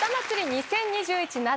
２０２１夏！！